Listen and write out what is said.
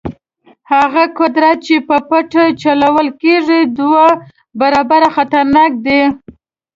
هغه قدرت چې په پټه چلول کېږي دوه برابره خطرناک دی.